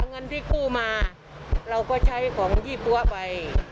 เงินที่มีคู่มาเราก็ใช้ของยีบดัวไป